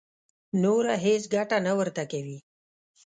نوره هېڅ ګټه نه ورته کوي.